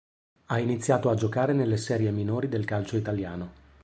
Ha iniziato a giocare nelle serie minori del calcio italiano.